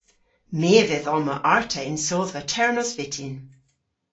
My a vydh omma arta y'n sodhva ternos vyttin.